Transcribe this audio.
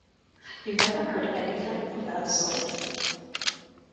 You never heard of anything of that sort?